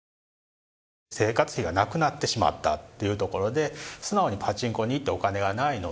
生活費がなくなってしまったというところで素直に「パチンコに行ってお金がないので」。